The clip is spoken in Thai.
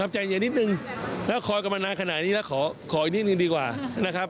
ใจเย็นนิดนึงแล้วคอยกันมานานขนาดนี้แล้วขออีกนิดนึงดีกว่านะครับ